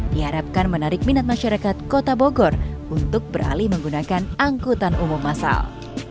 diharapkan menarik minat masyarakat kota bogor untuk beralih menggunakan angkutan umum masal